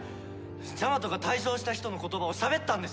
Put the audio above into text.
ジャマトが退場した人の言葉をしゃべったんです！